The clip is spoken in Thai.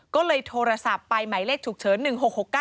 ก็เลยโทรศัพท์ไปหมายเลขฉุกเฉิน๑๖๖๙